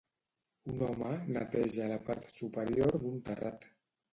Un home neteja la part superior d'un terrat